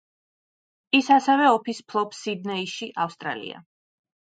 ის ასევე ოფისს ფლობს სიდნეიში, ავსტრალია.